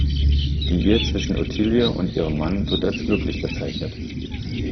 Die Ehe zwischen Ottilie und ihrem Mann wird als glücklich bezeichnet.